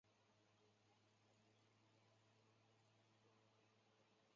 彭彦章。